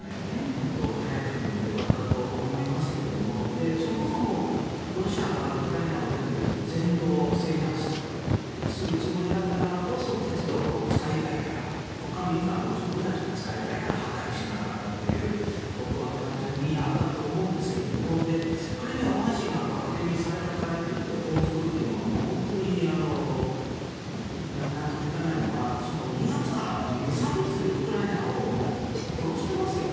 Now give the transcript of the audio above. もっと早くてもよかったと思いますけどもそもそもロシアがウクライナ全土を制覇するつもりだったからこそ鉄道を使いたいからほかのインフラも自分たちも使いたいから破壊しなかったということは単純にあったと思うんですがクリミア大橋が爆撃されたからといって報復というのは本当に納得いかないのは２月から無差別にウクライナを殺していますよ。